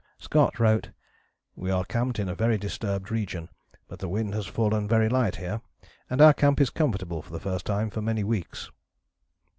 [Scott wrote: "We are camped in a very disturbed region, but the wind has fallen very light here, and our camp is comfortable for the first time for many weeks."